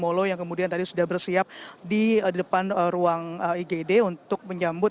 molo yang kemudian tadi sudah bersiap di depan ruang igd untuk menyambut